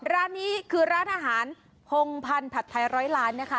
ร้านนี้คือร้านอาหารพงพันธ์ผัดไทยร้อยล้านนะคะ